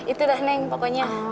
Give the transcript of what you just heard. itu dah neng pokoknya